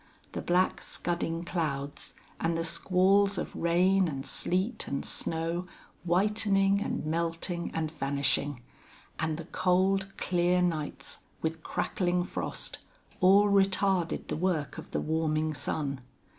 The black, scudding clouds, and the squalls of rain and sleet and snow, whitening and melting and vanishing, and the cold, clear nights, with crackling frost, all retarded the work of the warming sun.